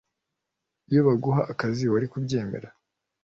iyo baguha akazi, wari kubyemera